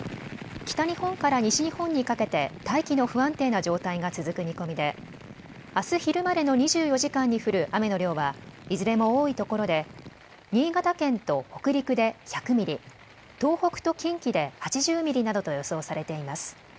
北日本から西日本にかけて大気の不安定な状態が続く見込みであす昼までの２４時間に降る雨の量はいずれも多いところで新潟県と北陸で１００ミリ、東北と近畿で８０ミリなどと予想されています。